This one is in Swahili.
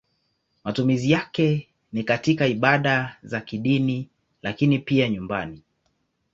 Matumizi yake ni katika ibada za kidini lakini pia nyumbani.